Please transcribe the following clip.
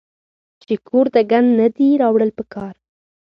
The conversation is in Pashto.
چې کور ته ګند نۀ دي راوړل پکار